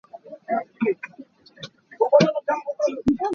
Pakhat le pakhat kan i ngaihthiam awk a si.